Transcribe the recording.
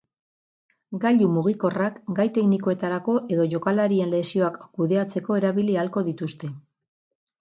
Gailu mugikorrak gai teknikoetarako edo jokalarien lesioak kudeatzeko erabili ahalko dituzte.